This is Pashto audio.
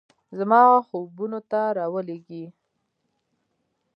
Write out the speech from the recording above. زما خوبونو ته راولیږئ